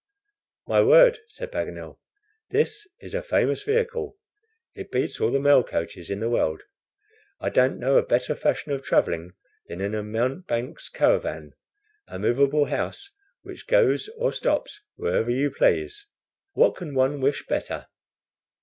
"My word," said Paganel, "this is a famous vehicle; it beats all the mail coaches in the world. I don't know a better fashion of traveling than in a mountebank's caravan a movable house, which goes or stops wherever you please. What can one wish better?